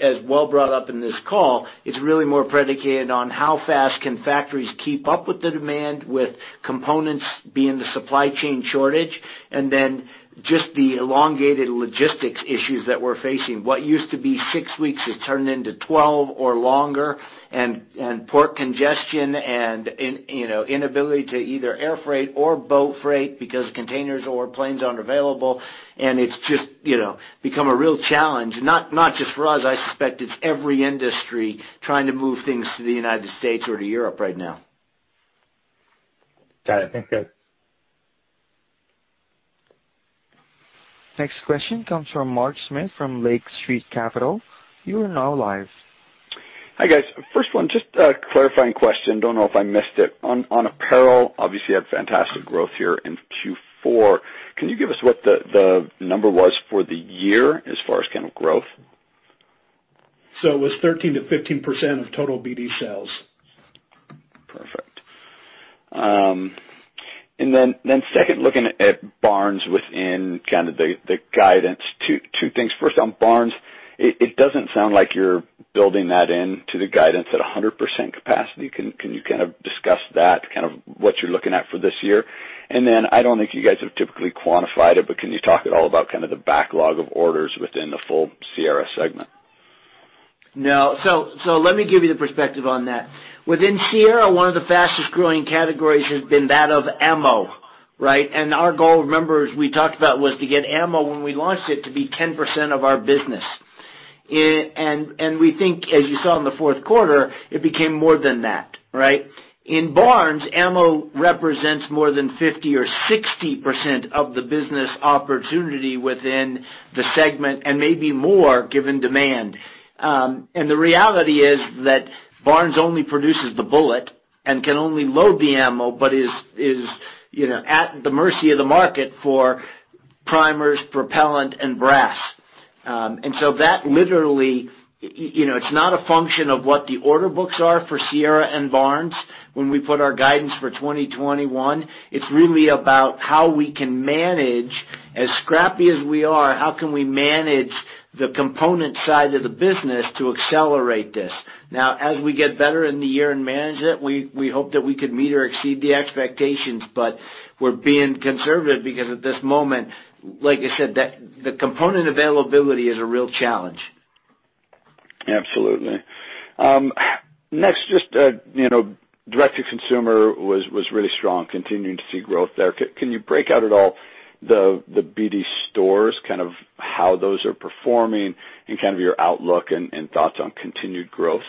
as well brought up in this call, it's really more predicated on how fast can factories keep up with the demand, with components being the supply chain shortage, and then just the elongated logistics issues that we're facing. What used to be six weeks has turned into 12 or longer, and port congestion and inability to either air freight or boat freight because containers or planes aren't available, and it's just become a real challenge, not just for us. I suspect it's every industry trying to move things to the United States or to Europe right now. Got it. Thanks, guys. Next question comes from Mark Smith from Lake Street Capital. You are now live. Hi, guys. First one, just a clarifying question. Don't know if I missed it. On apparel, obviously had fantastic growth here in Q4. Can you give us what the number was for the year as far as kind of growth? So it was 13%-15% of total BD sales. Perfect. Second, looking at Barnes within kind of the guidance, two things. First, on Barnes, it doesn't sound like you're building that into the guidance at 100% capacity. Can you kind of discuss that, kind of what you're looking at for this year? I don't think you guys have typically quantified it, but can you talk at all about kind of the backlog of orders within the full Sierra segment? No. So let me give you the perspective on that. Within Sierra, one of the fastest-growing categories has been that of ammo, right? Our goal, remember, as we talked about, was to get ammo when we launched it to be 10% of our business. We think, as you saw in the fourth quarter, it became more than that, right? In Barnes, ammo represents more than 50% or 60% of the business opportunity within the segment, and maybe more, given demand. The reality is that Barnes only produces the bullet and can only load the ammo, but is at the mercy of the market for primers, propellant, and brass. That literally, it's not a function of what the order books are for Sierra and Barnes when we put our guidance for 2021. It's really about how we can manage, as scrappy as we are, how can we manage the component side of the business to accelerate this. As we get better in the year and manage it, we hope that we can meet or exceed the expectations. We're being conservative because at this moment, like I said, the component availability is a real challenge. Absolutely. Direct-to-consumer was really strong, continuing to see growth there. Can you break out at all the BD stores, kind of how those are performing and kind of your outlook and thoughts on continued growth?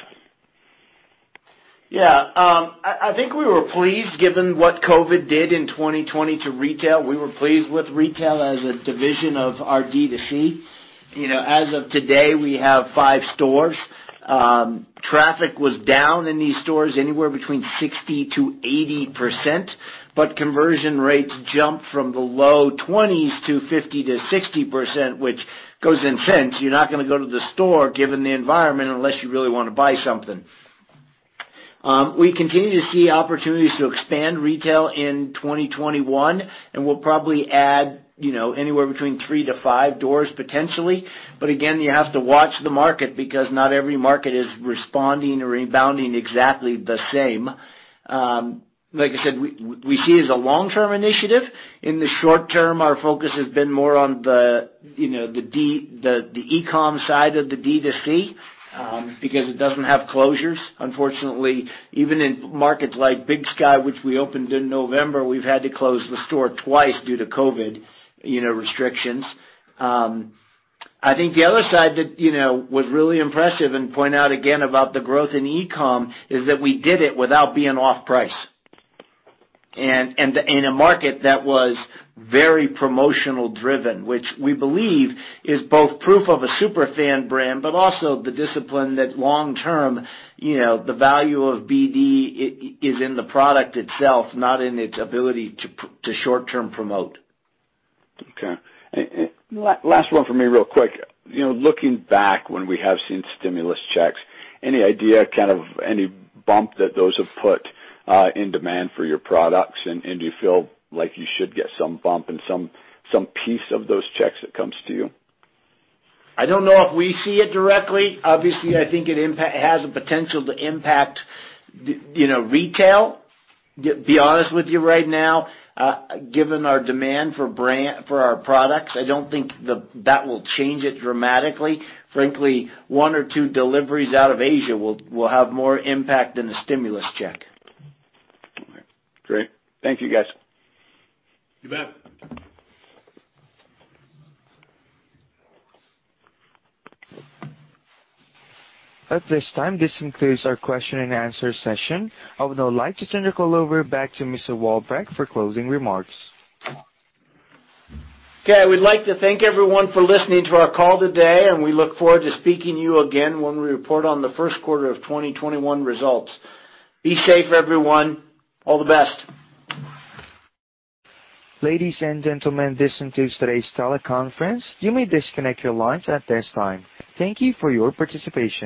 Yeah. I think we were pleased given what COVID-19 did in 2020 to retail. We were pleased with retail as a division of our D2C. As of today, we have five stores. Traffic was down in these stores anywhere between 60%-80%, but conversion rates jumped from the low 20s to 50%-60%, which goes in sense. You're not going to go to the store given the environment unless you really want to buy something. We continue to see opportunities to expand retail in 2021, and we'll probably add anywhere between three to five doors potentially. Again, you have to watch the market because not every market is responding or rebounding exactly the same. Like I said, we see it as a long-term initiative. In the short term, our focus has been more on the e-com side of the D2C because it doesn't have closures. Unfortunately, even in markets like Big Sky, which we opened in November, we've had to close the store twice due to COVID restrictions. I think the other side that was really impressive, and point out again about the growth in e-com, is that we did it without being off price, and in a market that was very promotional driven, which we believe is both proof of a super fan brand, but also the discipline that long term, the value of BD is in the product itself, not in its ability to short-term promote. Okay. Last one from me real quick. Looking back when we have seen stimulus checks, any idea kind of any bump that those have put in demand for your products? Do you feel like you should get some bump and some piece of those checks that comes to you? I don't know if we see it directly. Obviously, I think it has a potential to impact retail. To be honest with you right now, given our demand for our products, I don't think that will change it dramatically. Frankly, one or two deliveries out of Asia will have more impact than the stimulus check. All right, great. Thank you, guys. You bet. At this time, this concludes our question-and-answer session. I would now like to turn the call over back to Mr. Walbrecht for closing remarks. Okay. I would like to thank everyone for listening to our call today, and we look forward to speaking to you again when we report on the first quarter of 2021 results. Be safe, everyone. All the best. Ladies and gentlemen, this concludes today's teleconference. You may disconnect your lines at this time. Thank you for your participation.